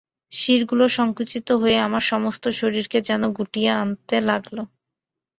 শিরগুলো সংকুচিত হয়ে আমার সমস্ত শরীরকে যেন গুটিয়ে আনতে লাগল।